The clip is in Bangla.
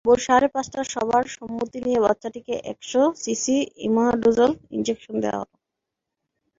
ভোর সাড়ে পাঁচটায় সবার সম্মতি নিয়ে বাচ্চাটিকে এক শ সিসি ইমাডোজল ইনজেকশন দেওয়া হল।